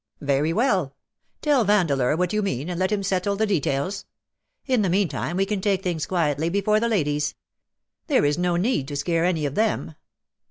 "V/iry well. Tell Vandeleur what you mean,, and let him settle the details. In the meatime we can take things quietly before the ladies. There is no need to scare any of them."